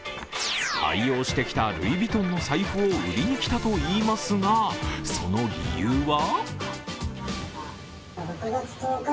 愛用してきたルイ・ヴィトンの財布を売りにきたといいますが、その理由は？